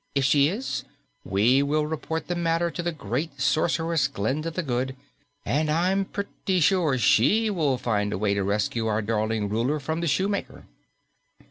If she is, we will report the matter to the great Sorceress Glinda the Good, and I'm pretty sure she will find a way to rescue our darling ruler from the Shoemaker."